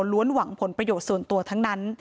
หวังผลประโยชน์ส่วนตัวทั้งนั้น